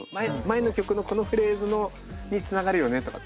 前の曲のこのフレーズにつながるよねとか。